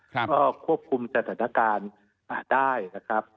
ก็ควบคุมสถานการณ์ได้นะครับ